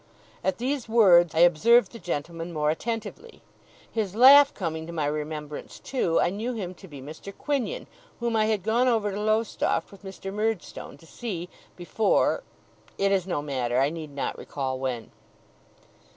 At these words, I observed the gentleman more attentively. His laugh coming to my remembrance too, I knew him to be Mr. Quinion, whom I had gone over to Lowestoft with Mr. Murdstone to see, before it is no matter I need not recall when.